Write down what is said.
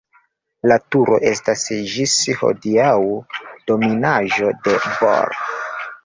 La turo estas ĝis hodiaŭ dominaĵo de Bor.